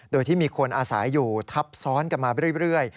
โดยที่มีคนอาศัยอยู่ทับซ้อนกันมาเรื่อย